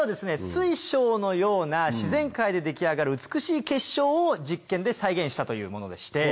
水晶のような自然界で出来上がる美しい結晶を実験で再現したというものでして。